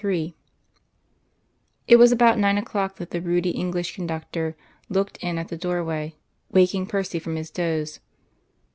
III It was about nineteen o'clock that the ruddy English conductor looked in at the doorway, waking Percy from his doze.